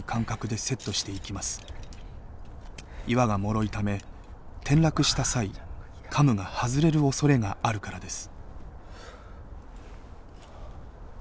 岩がもろいため転落した際カムが外れるおそれがあるからです。